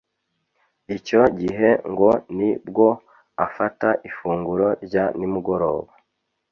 Icyo gihe ngo ni bwo afata ifunguro rya nimugoroba